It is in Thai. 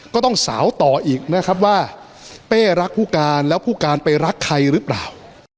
ก็ต้องสาวต่ออีกนะครับว่าเป้รักผู้การแล้วผู้การไปรักใครหรือเปล่า